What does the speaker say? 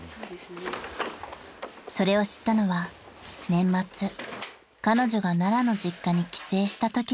［それを知ったのは年末彼女が奈良の実家に帰省したときでした］